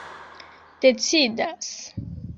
decidas